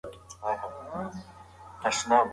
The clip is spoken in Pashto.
نیلي رڼا د میلاټونین تولید کموي.